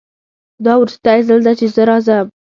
دا وروستی ځل ده چې زه راځم